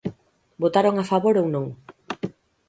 ¿Votaron a favor ou non?